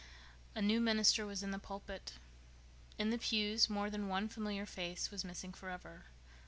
A new minister was in the pulpit. In the pews more than one familiar face was missing forever.